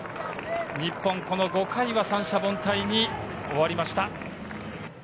日本、この５回は三者凡退に終わりました。